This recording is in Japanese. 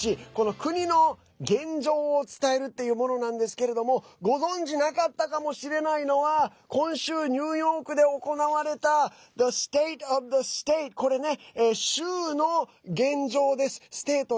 国の現状を伝えるっていうものなんですけれどもご存じなかったかもしれないのは今週ニューヨークで行われたＴｈｅＳｔａｔｅｏｆｔｈｅＳｔａｔｅ